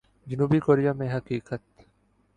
جنوبی کوریا میں حقیقت۔